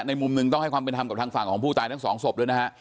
มุมหนึ่งต้องให้ความเป็นธรรมกับทางฝั่งของผู้ตายทั้งสองศพด้วยนะฮะ